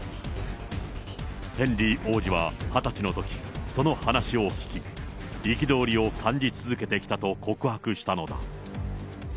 ヘンリー王子は２０歳のとき、その話を聞き、憤りを感じ続けてきたと告白したのだ。